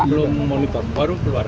kita belum memonitor baru keluar